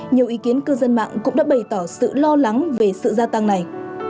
nhiều ý kiến cư dân mạng cũng đã bày tỏ sự lo lắng về sự gia tăng này